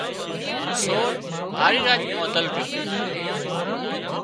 سور هارِي راچ ٻانڌل ريو